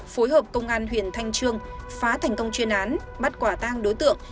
phối hợp công an huyện thanh trương phá thành công chuyên án bắt quả tang đối tượng